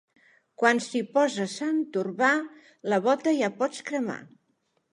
Quan s'hi posa Sant Urbà, la bota ja pots cremar.